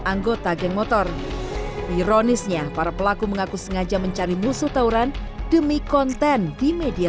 anggota geng motor ironisnya para pelaku mengaku sengaja mencari musuh tawuran demi konten di media